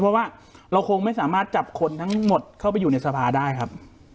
เพราะว่าเราคงไม่สามารถจับคนทั้งหมดเข้าไปอยู่ในสภาได้ครับ